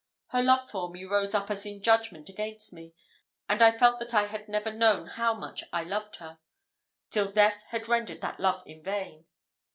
Her love for me rose up as in judgment against me, and I felt that I had never known how much I loved her, till death had rendered that love in vain.